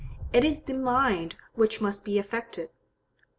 It is the mind which must be affected.